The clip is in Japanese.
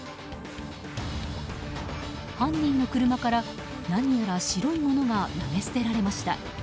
犯人の車から何やら白いものが投げ捨てられました。